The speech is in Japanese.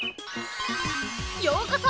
ようこそ！